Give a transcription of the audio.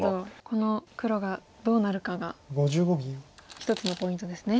この黒がどうなるかが一つのポイントですね。